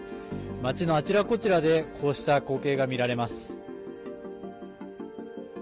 町のあちらこちらでこうした光景が見られます。